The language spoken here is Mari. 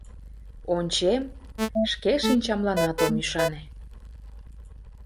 Ончем — шке шинчамланат ом ӱшане.